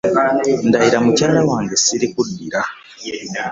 Ndayira mukyala wange ssirikuddira.